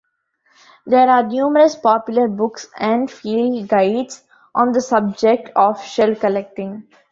There are numerous popular books and field guides on the subject of shell-collecting.